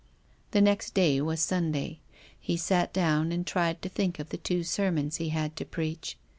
The next day was Sunday. He sat down and tried to think of the two sermons he had to preach.